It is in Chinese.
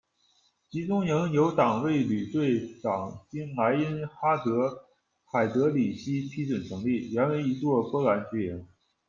集中营由党卫队旅队长经莱因哈德·海德里希批准成立，原为一座波兰军营。